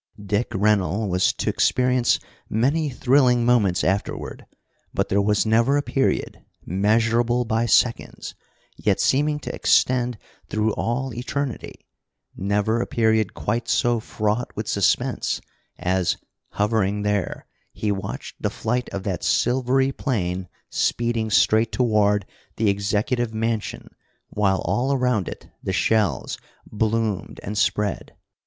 Dick Rennell was to experience many thrilling moments afterward, but there was never a period, measurable by seconds, yet seeming to extend through all eternity never a period quite so fraught with suspense as, hovering there, he watched the flight of that silvery plane speeding straight toward the executive mansion while all around it the shells bloomed and spread.